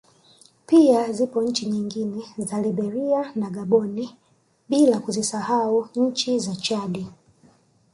Pia zipo nchi nyingine za Liberia na Gaboni bila kuzisahau ncni za Chadi